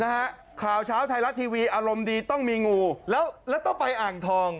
ข่าวเช้าไทยรัฐทีวีอารมณ์ดีต้องมีงูแล้วแล้วต้องไปอ่างทอง